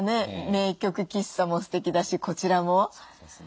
名曲喫茶もすてきだしこちらも。